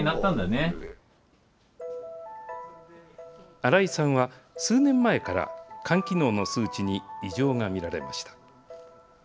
荒井さんは数年前から肝機能の数値に異常が見られました。